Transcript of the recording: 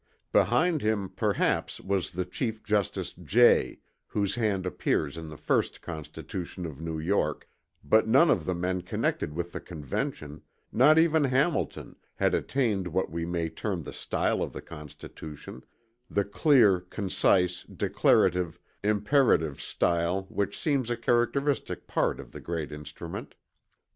Behind him, perhaps, was Chief Justice Jay, whose hand appears in the first Constitution of New York, but none of the men connected with the Convention, not even Hamilton, had attained what we may term the style of the Constitution the clear, concise, declarative, imperative style which seems a characteristic part of the great instrument.